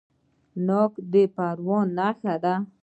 ناک د پروان نښه ده.